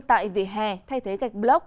tại vì hè thay thế gạch block